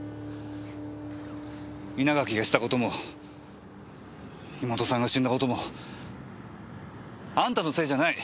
稲垣がした事も妹さんが死んだ事もあんたのせいじゃない！